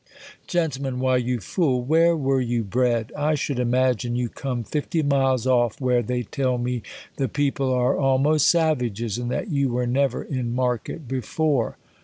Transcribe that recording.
Gent, Why, you fool ; where were you bred ? I should imagine }^ou come fifty miles off, where they tell me the people are almost savages ; and that you were never in market before.